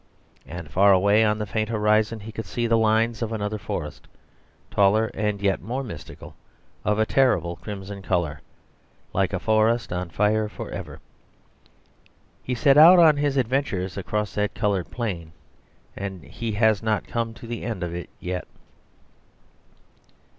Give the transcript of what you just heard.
And far away on the faint horizon he could see the line of another forest, taller and yet more mystical, of a terrible crimson colour, like a forest on fire for ever. He set out on his adventures across that coloured plain; and he has not come to the end of it yet.